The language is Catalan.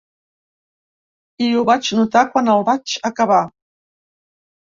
I ho vaig notar quan el vaig acabar.